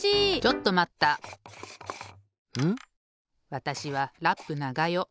わたしはラップながよ。